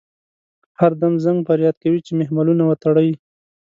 هر دم زنګ فریاد کوي چې محملونه وتړئ.